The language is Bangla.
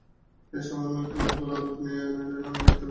তখন এতে সামান্য ঘি ও গুঁড়া দুধ দিয়ে নেড়ে নামিয়ে নিতে হবে।